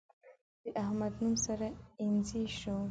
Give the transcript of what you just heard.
د احمد نوم سره اينڅۍ شو.